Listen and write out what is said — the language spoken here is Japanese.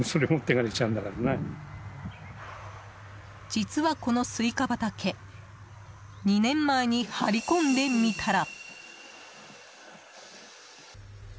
実は、このスイカ畑２年前に張り込んでみたら。